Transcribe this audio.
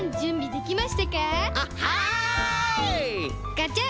ガチャッ。